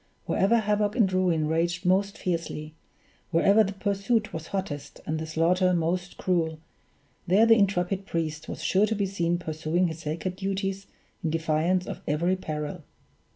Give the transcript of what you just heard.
Wherever havoc and ruin raged most fiercely, wherever the pursuit was hottest and the slaughter most cruel, there the intrepid priest was sure to be seen pursuing his sacred duties in defiance of every peril.